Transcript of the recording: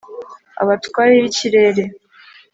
abatware b’ikirere